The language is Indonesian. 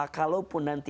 kalau pun nanti